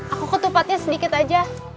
aku kutupatnya sedikit aja